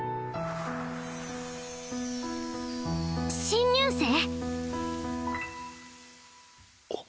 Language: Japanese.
新入生？